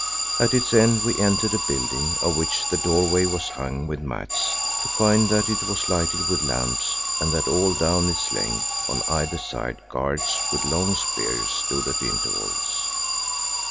At its end we entered a building of which the doorway was hung with mats, to find that it was lighted with lamps and that all down its length on either side guards with long spears stood at intervals.